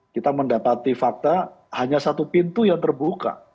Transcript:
kita mendapati fakta hanya satu pintu yang terbuka